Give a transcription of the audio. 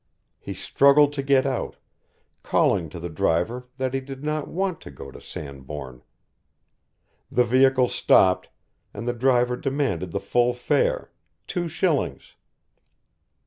He struggled to get out, calling to the driver that he did not want to go to Sandbourne. The vehicle stopped, and the driver demanded the full fare two shillings.